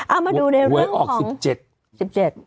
เอามาดูในเรื่องของ